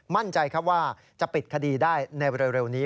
มั่นใจครับว่าจะปิดคดีได้ในเร็วนี้